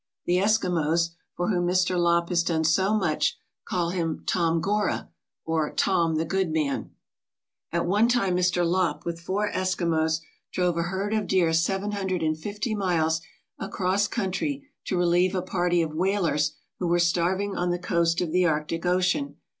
The Eskimos, for whom Mr. Lopp has done so much, call him "Tom Gorrah/' or 'Tom, the good man/' At one time, Mr. Lopp with four Eskimos drove a herd of deer seven hundred and fifty miles across country to relieve a party of whalers who were starving on the coast 209 ALASKA OUR NORTHERN WONDERLAND of the Arctic Ocean.